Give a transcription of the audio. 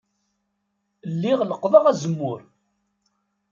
Lliɣ leqqḍeɣ azemmur.